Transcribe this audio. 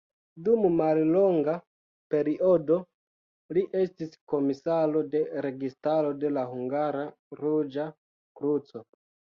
Dum mallonga periodo, li estis komisaro de registaro de la Hungara Ruĝa Kruco.